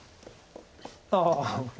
ああ。